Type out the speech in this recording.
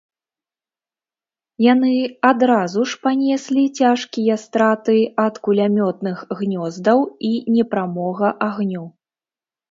Яны адразу ж панеслі цяжкія страты ад кулямётных гнёздаў і непрамога агню.